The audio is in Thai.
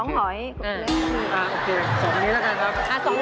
โอเค๒นี้แล้วกันครับ